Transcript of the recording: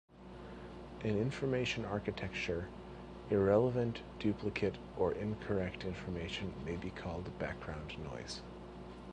In information architecture, irrelevant, duplicate or incorrect information may be called background noise.